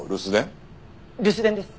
留守電です。